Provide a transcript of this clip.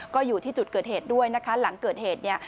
ก็อยู่ที่จุดเกิดเหตุด้วยนะคะหลังเกิดเหตุเนี่ย